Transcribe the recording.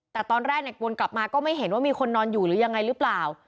แต่ตอนแรกวนกลับมาก็ไม่เห็นว่ามีคนนอนอยู่หรือยังไงหรือเปล่า